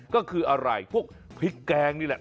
ก็คืออะไรพวกพริกแกงนี่แหละ